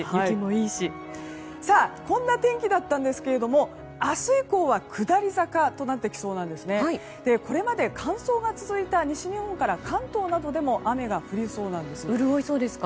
こんな天気だったんですが明日以降は下り坂となりそうでこれまで乾燥が続いた西日本から関東などでも雨が降りそうなんです。